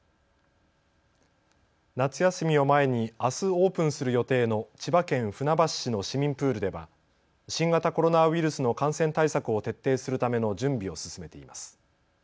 夏休みを前にあすオープンする予定の千葉県船橋市の市民プールでは新型コロナウイルスの感染対策を徹底するための準備を進めています。